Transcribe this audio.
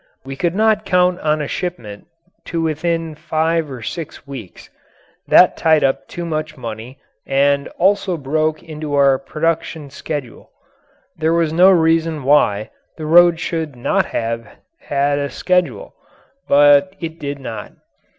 We could not count on a shipment to within five or six weeks; that tied up too much money and also broke into our production schedule. There was no reason why the road should not have had a schedule; but it did not.